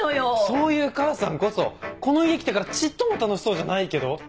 そういう母さんこそこの家来てからちっとも楽しそうじゃないけど？